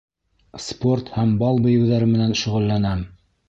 Спорт һәм бал бейеүҙәре менән шөғөлләнәм.